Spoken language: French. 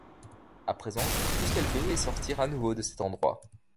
À présent, tout ce qu'elle veut est sortir à nouveau de cet endroit.